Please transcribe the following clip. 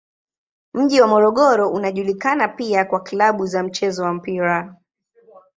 Mji wa Morogoro unajulikana pia kwa klabu za mchezo wa mpira.